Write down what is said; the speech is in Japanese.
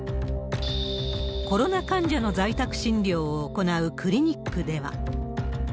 コロナ患者の在宅診療を行うクリニックでは。